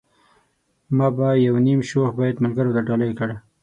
ما به يو نيم شوخ بيت ملګرو ته ډالۍ کړ.